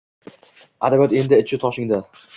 Adabiyot edi ichu toshingda